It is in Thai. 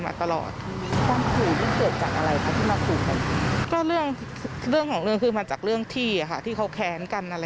แล้วปัญหาเป็นเรื่องที่มันยืดเยื้อมายาวนานก็เรื่องการแบ่งที่ดินแถวนั้นเนี่ยแหละนะครับ